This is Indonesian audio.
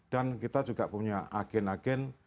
kita juga punya agen agen